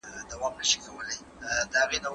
وعدې باید رښتینې وي خو خلګ پرې غولیږي.